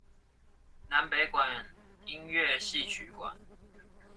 南北管音樂戲曲館